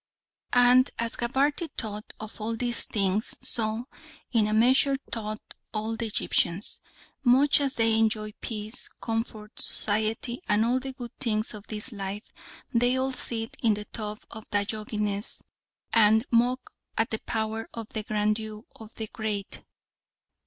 And as Gabarty thought of all these things, so, in a measure, thought all the Egyptians. Much as they enjoy peace, comfort, society, and all the good things of this life, they all sit in the tub of Diogenes and mock at the power and grandeur of the great.